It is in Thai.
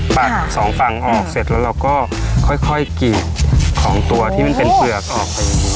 ตัดสองฝั่งออกเสร็จแล้วเราก็ค่อยกรีดของตัวที่มันเป็นเปลือกออกไป